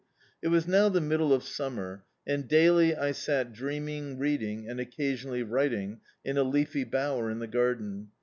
It was now the middle of Summer, and daily I sat dreaming, reading, and occasi<mally writing in a leafy bower in the garden.